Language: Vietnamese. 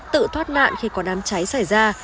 tự thoát nạn khi có đám cháy xảy ra